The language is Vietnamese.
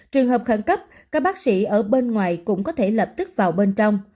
trường hợp khẩn cấp các bác sĩ ở bên ngoài cũng có thể lập tức vào bên trong